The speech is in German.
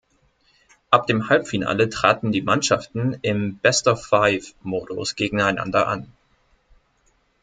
Ab dem Halbfinale traten die Mannschaften im Best-of-Five-Modus gegeneinander an.